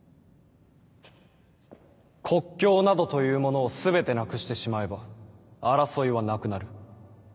国境などというものを全てなくしてしまえば争いはなくなる。